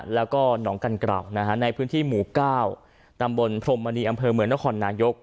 แล้วก็หนองกันกล่าวในพื้นที่หมู่๙ตำบลพรมมณีอำเภอเมืองนครนายก